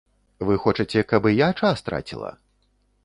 Вы хочаце, каб і я час траціла?